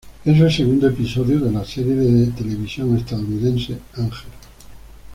Es el segundo episodio de la de la serie de televisión estadounidense Ángel.